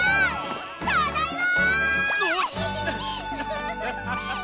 ただいま！